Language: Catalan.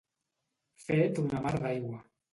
Fet una mar d'aigua.